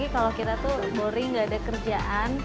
kalau kita tuh boring gak ada kerjaan